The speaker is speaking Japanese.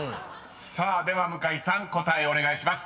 ［さあでは向井さん答えお願いします］